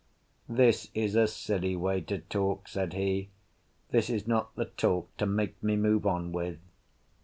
"This is a silly way to talk," said he. "This is not the talk to make me move on with."